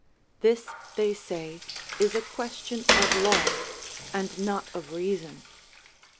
This, they say, is a question of law, and not of reason.